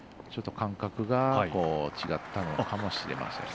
感覚が違ったのかもしれません。